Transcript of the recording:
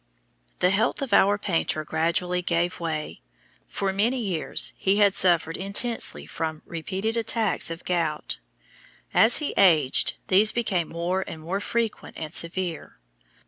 The health of our painter gradually gave way. For many years he had suffered intensely from repeated attacks of gout. As he aged, these became more and more frequent and severe.